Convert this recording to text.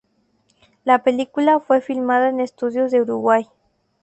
La película fue filmada en estudios de Uruguay.